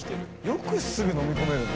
よくすぐ飲み込めるな。